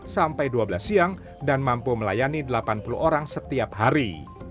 sampai dua belas siang dan mampu melayani delapan puluh orang setiap hari